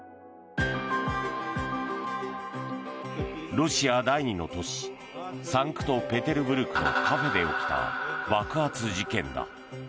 ロシア第２の都市サンクトペテルブルクのカフェで起きた爆発事件だ。